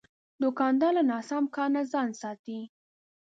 دوکاندار له ناسم کار نه ځان ساتي.